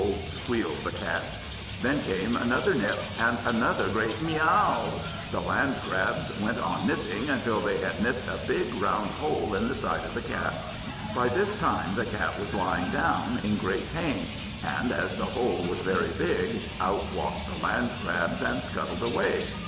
squealed the Cat. Then came another nip, and another great Miaw! The Landcrabs went on nipping, until they had nipped a big round hole in the side of the Cat. By this time the Cat was lying down, in great pain; and as the hole was very big, out walked the Landcrabs, and scuttled away.